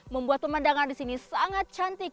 membuat pemandangan di sini sangat cantik